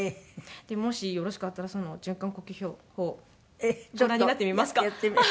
もしよろしかったらその循環呼吸法ご覧になってみますか？やってみて。